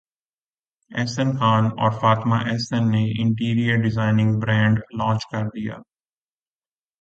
احسن خان اور فاطمہ احسن نے interior designing brand launch کردیا